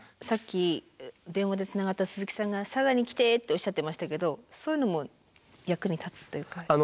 さっき電話でつながった鈴木さんが「佐賀に来て」っておっしゃってましたけどそういうのも役に立つというか。